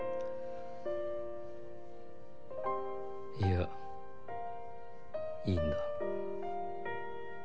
いやいいんだ。